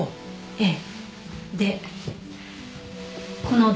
ええ。